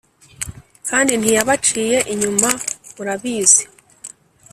kandi ntiyabaciye inyuma murabizi